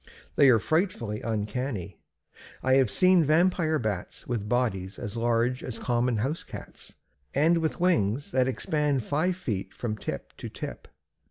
They are frightfully uncanny. I have seen vampire bats with bodies as large as common house cats, and with wings that expand five feet from tip to tip.